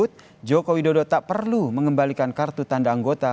tidak usah perlu kenapa berbeda